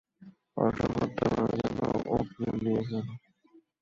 অশোক হত্যা করার জন্য অগ্রিম নিয়েছিল।